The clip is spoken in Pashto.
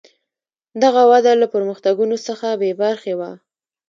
دغه وده له پرمختګونو څخه بې برخې وه.